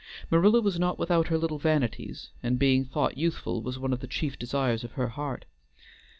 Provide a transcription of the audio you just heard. Marilla was not without her little vanities, and being thought youthful was one of the chief desires of her heart.